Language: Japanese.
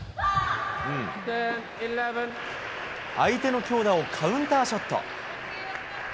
相手の強打をカウンターショット。